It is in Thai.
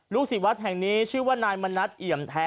ศิษย์วัดแห่งนี้ชื่อว่านายมณัฐเอี่ยมแท้